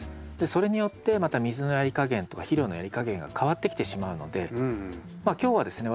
それによってまた水のやり加減とか肥料のやり加減が変わってきてしまうのでまあ今日はですね